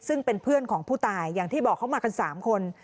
ซึ่งเป็นเพื่อนของผู้ตายอย่างที่บอกเขามากัน๓คน